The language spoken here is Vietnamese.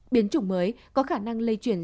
biến chủng mới có khả năng lây chuyển